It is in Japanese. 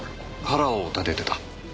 腹を立ててた？